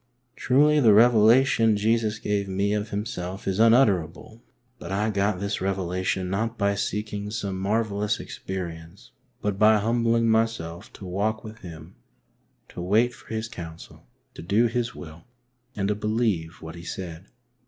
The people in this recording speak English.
" Truly the revelation Jesus gave me of Himself is un utterable, but I got this revelation not by seeking some marvellous experience, but by humbling myself to walk with Him, to wait for His counsel, to do His will and to believe what He said.